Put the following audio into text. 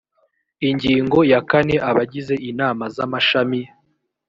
ingingo ya kane abagize inama z amashami